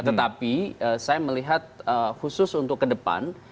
tetapi saya melihat khusus untuk ke depan